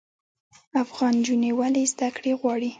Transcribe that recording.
افغان نجونې ولې زده کړې غواړي؟